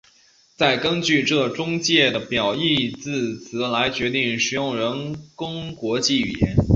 再根据这中介的表义字词来决定使用人工国际语言。